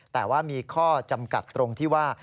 แต่ว่ามีข้อจำกัดตรงที่ว่า